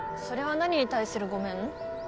それは何に対する「ごめん」？